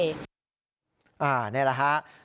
นี่แหละครับ